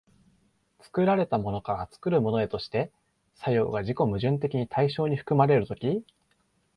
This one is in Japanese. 作られたものから作るものへとして作用が自己矛盾的に対象に含まれる時、